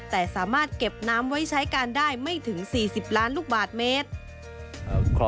แต่สามารถเก็บน้ำไว้ใช้การได้ไม่ถึง๔๐ล้านลูกบาทเมตร